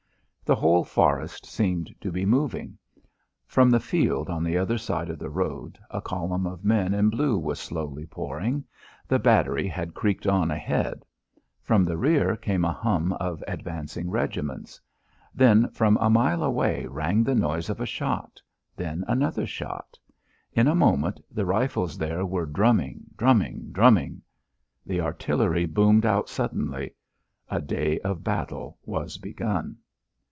The whole forest seemed to be moving. From the field on the other side of the road a column of men in blue was slowly pouring; the battery had creaked on ahead; from the rear came a hum of advancing regiments. Then from a mile away rang the noise of a shot; then another shot; in a moment the rifles there were drumming, drumming, drumming. The artillery boomed out suddenly. A day of battle was begun.